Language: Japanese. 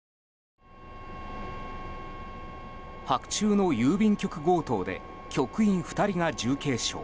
白昼の郵便局強盗で局員２人が重軽傷。